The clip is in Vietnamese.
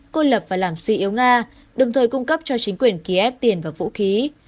côn lập và làm suy yếu nga đồng thời cung cấp cho chính quyền ký ép tiền và vũ khí